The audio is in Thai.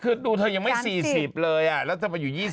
คือดูเธอยังไม่๔๐เลยแล้วเธอไปอยู่๒๐